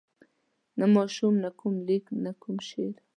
نه ماشوم نه کوم لیک نه کوم شعر.